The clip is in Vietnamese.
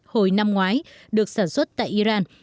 hồi năm ngoái được sản xuất tại iran